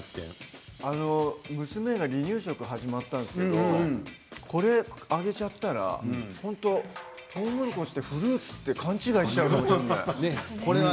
娘が離乳食始まったんですけどこれは、あげちゃったらとうもろこしってフルーツって勘違いしちゃうかもしれない。